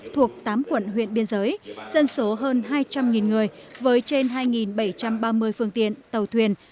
thuộc tám quận huyện biên giới dân số hơn hai trăm linh người với trên hai bảy trăm ba mươi phương tiện tàu thuyền